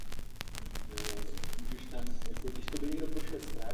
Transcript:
Za zásluhy mu císař udělil Řád Františka Josefa.